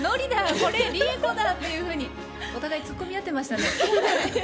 これ利恵子だというふうにお互い突っ込み合ってましたね。